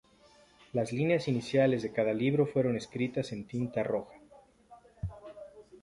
Las líneas iniciales de cada libro fueron escritas en tinta roja.